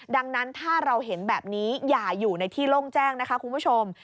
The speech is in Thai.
ดังนั้นถ้าเราเห็นแบบนี้อย่าอยู่ในที่โล่งแจ้งนะคะคุณผู้ชม